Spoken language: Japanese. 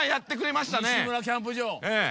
「西村キャンプ場」。